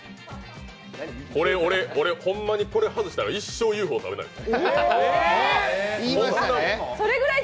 これホンマに外したら一生Ｕ．Ｆ．Ｏ食べない！